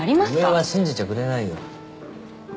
上は信じちゃくれないよ